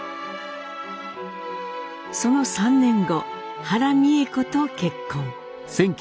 その３年後原美枝子と結婚。